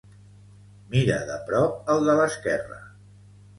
Mira de prop el de l'esquerra.